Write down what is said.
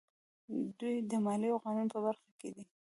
دوی د مالیې او قانون په برخه کې دي.